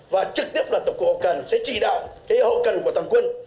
và trực tiếp là tổng cụ hậu cần sẽ chỉ đạo hậu cần của tầng quân